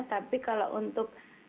tapi kalau untuk